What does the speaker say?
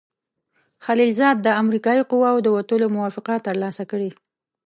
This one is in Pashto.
خلیلزاد د امریکایي قواوو د وتلو موافقه ترلاسه کړې.